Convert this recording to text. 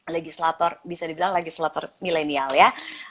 legislator bisa dibilang legislator milenial ya